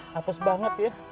hapus banget ya